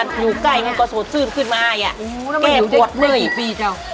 แต่กี่ปีจ้าว